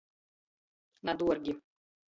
Na duorgi.